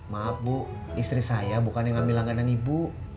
maaf bu istri saya bukan yang ngambil langganan ibu